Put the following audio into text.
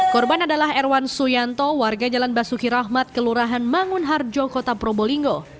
korban adalah erwan suyanto warga jalan basuki rahmat kelurahan mangunharjo kota probolinggo